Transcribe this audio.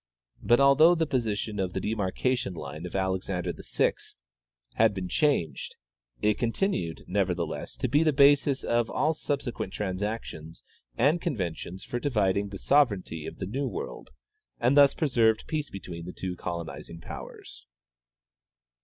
But although the position of the demarcation line of Alexander VI had been changed, it continued, nevertheless, to be the basis of all subsequent transactions and conventions for dividing the sovereignty of the new world, and thus preserved peace between the two colonizing powers.